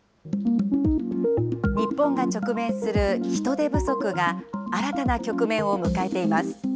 日本が直面する人手不足が、新たな局面を迎えています。